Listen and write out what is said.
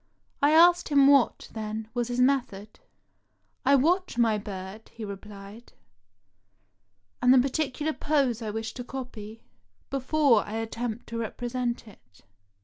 I asked him what, then, was his method. " I watch my bird," he replied, "and the particular pose I wish to copy, before I attempt to represent it.